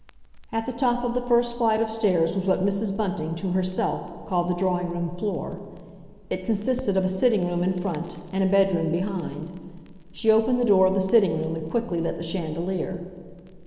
At the top of the first flight of stairs was what Mrs. Bunting, to herself, called the drawing room floor. It consisted of a sitting room in front, and a bedroom behind. She opened the door of the sitting room and quickly lit the chandelier.